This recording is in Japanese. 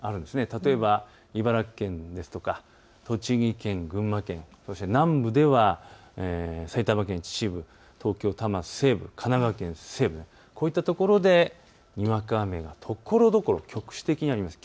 例えば茨城県ですとか栃木県、群馬県、そして南部では埼玉県秩父、東京多摩西部、神奈川県の西部、こういったところでにわか雨がところどころ局地的にあります。